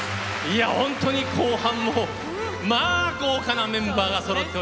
いや本当に後半もまあ豪華なメンバーがそろっております。